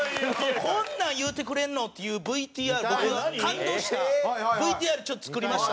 こんなん言うてくれるの？っていうＶＴＲ僕が感動したＶＴＲちょっと作りましたんで。